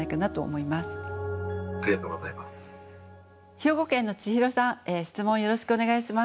兵庫県のちひろさん質問よろしくお願いします。